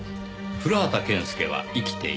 古畑健介は生きている。